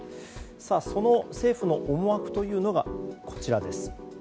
その政府の思惑というのがこちらです。